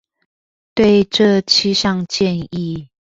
對這七項建議